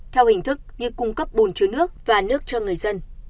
theo hình thức như cung cấp bùn chứa nước và nước cho người dân